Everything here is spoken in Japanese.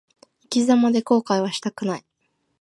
生き様で後悔はしたくない。